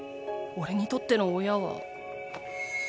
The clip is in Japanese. おれにとっての親は。